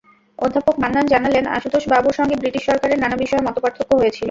অধ্যাপক মান্নান জানালেন, আশুতোষ বাবুর সঙ্গে ব্রিটিশ সরকারের নানা বিষয়ে মতপার্থক্য হয়েছিল।